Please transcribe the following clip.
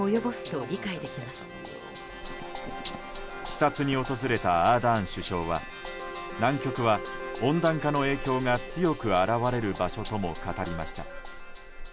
視察に訪れたアーダーン首相は南極は、温暖化の影響が強く表れる場所とも語りました。